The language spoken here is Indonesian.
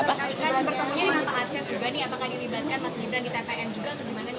apakah dilibatkan mas gibran di tpn juga atau gimana nih